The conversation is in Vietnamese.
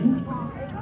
làng rau trà quế